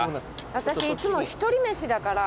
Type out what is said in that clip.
私いつも１人飯だから。